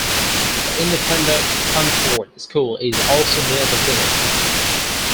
The independent Hanford School is also near the village.